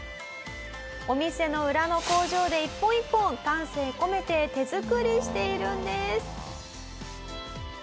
お店の裏の工場で一本一本丹精込めて手作りしているんです。